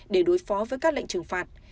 để đối phó với các lệnh trừng phạt